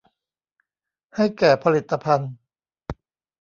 ให้แก่ผลิตภัณฑ์